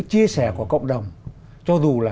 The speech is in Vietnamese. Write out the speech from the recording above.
chia sẻ của cộng đồng cho dù là